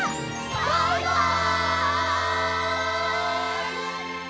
バイバイ！